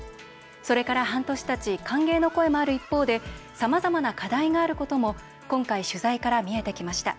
それから、半年たち歓迎の声もある一方でさまざまな課題があることも今回、取材から見えてきました。